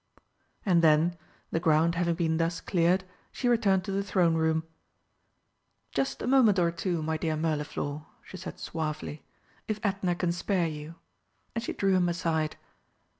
And then, the ground having been thus cleared, she returned to the Throne Room. "Just a moment or two, my dear Mirliflor," she said suavely, "if Edna can spare you," and she drew him aside.